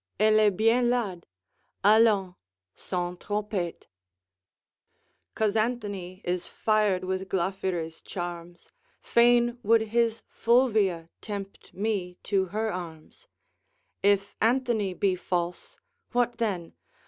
Elle est bien laide! Allons, sonnes trompettes. 'Cause Anthony is fired with Glaphire's charms Fain would his Fulvia tempt me to her arms. If Anthony be false, what then?